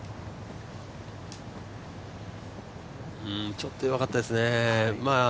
ちょっと弱かったですね。